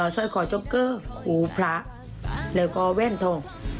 ซอยขอโจ๊กเกอร์ขูพระแล้วก็แว่นทอง